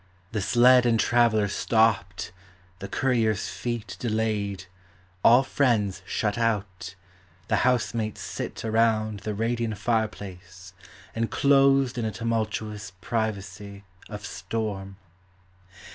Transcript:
The sled and traveller stopped, the courier's feet Delayed, all friends shut out, the housemates sit Around the radiant fireplace, enclosed In a tumultuous privacy of storm.